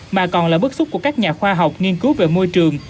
mà còn là bước xúc của các nhà khoa học nghiên cứu về môi trường